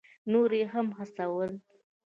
نور یې هم هڅول.